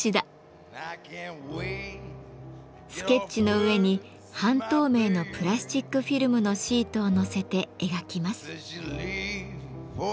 スケッチの上に半透明のプラスチックフィルムのシートを載せて描きます。